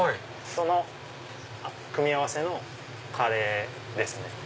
その組み合わせのカレーですね。